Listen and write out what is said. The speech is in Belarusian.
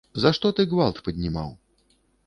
За што ты гвалт паднімаў?